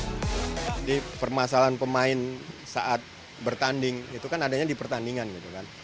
jadi permasalahan pemain saat bertanding itu kan adanya di pertandingan gitu kan